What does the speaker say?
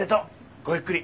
ごゆっくり。